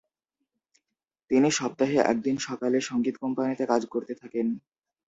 তিনি সপ্তাহে একদিন সকালে সঙ্গীত কোম্পানিতে কাজ করতে থাকেন।